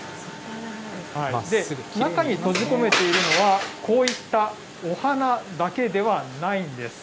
中に閉じ込めているのは、こういったお花だけではないんです。